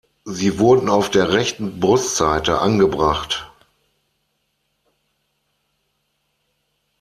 Sie wurden auf der rechten Brustseite angebracht.